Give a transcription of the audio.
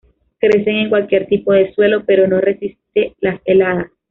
Crecen en cualquier tipo de suelo, pero no resiste las heladas.